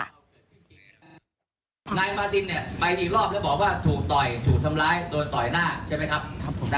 นายมาตินเนี่ยไปอีกรอบแล้วบอกว่าถูกต่อยถูกทำร้ายโดนต่อยหน้าใช่ไหมครับ